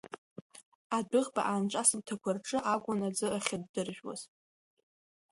Адәыӷба аанҿасырҭақәа рҿы акәын аӡы ахьыддыржәуаз.